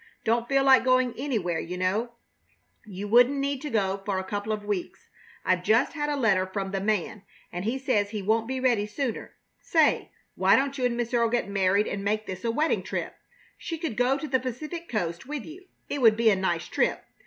Don't feel like going anywhere, you know. You wouldn't need to go for a couple of weeks. I've just had a letter from the man, and he says he won't be ready sooner. Say, why don't you and Miss Earle get married and make this a wedding trip? She could go to the Pacific coast with you. It would be a nice trip.